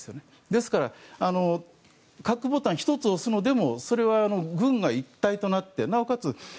ですから核ボタン１つ押すのでもそれは軍が一体となってなおかつ